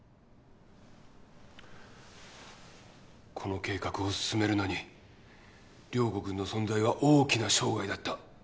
この計画を進めるのに涼子君の存在は大きな障害だった。